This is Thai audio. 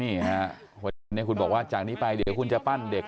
หัวหินเนี่ยคุณบอกว่าจากนี้ไปเดี๋ยวคุณจะปั้นเด็ก